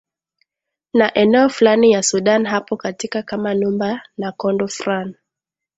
na eneo fulani ya sudan hapo katika kama numba na kondo fran